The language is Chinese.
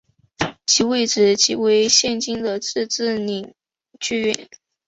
其位置即为现今的自治领剧院。